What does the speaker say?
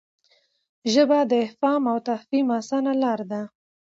ژبه د افهام او تفهیم اسانه لار ده.